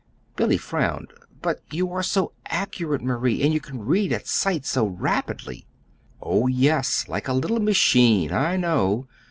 Billy frowned. "But you are so accurate, Marie, and you can read at sight so rapidly!" "Oh, yes, like a little machine, I know!"